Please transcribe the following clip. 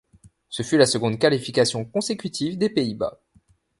Ce fut la seconde qualification consécutive des Pays-Bas.